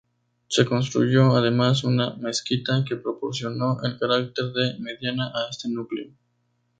Se construyó además una mezquita que proporcionó el carácter de medina a este núcleo.